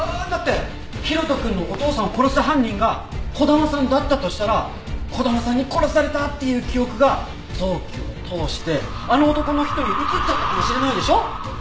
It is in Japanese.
だって大翔くんのお父さんを殺した犯人が児玉さんだったとしたら児玉さんに殺されたっていう記憶が臓器を通してあの男の人に移っちゃったかもしれないでしょ。